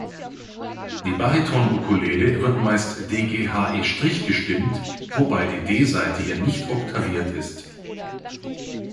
Die Bariton-Ukulele wird meist d-g-h-e’ gestimmt, wobei die D-Saite hier nicht oktaviert ist.